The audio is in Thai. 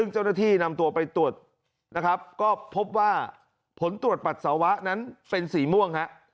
เจ้าหน้าที่นำตัวไปตรวจนะครับก็พบว่าผลตรวจปัสสาวะนั้นเป็นสีม่วงฮะ